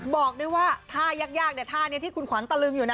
บอกด้วยว่าท่ายากท่านี้ที่คุณขวัญตะลึงอยู่นะ